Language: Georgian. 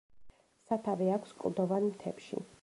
სათავე აქვს კლდოვან მთებში.